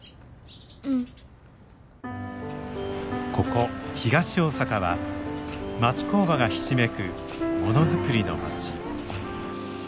ここ東大阪は町工場がひしめくものづくりの町。